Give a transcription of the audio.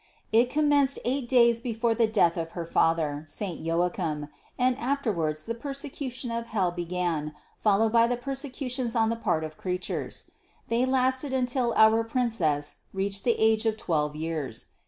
It commenced eight days before the death of her father, saint Joachim, and afterwards the persecution of hell began, followed by the persecutions on the part of creatures. They lasted until our Princess reached the age of twelve years.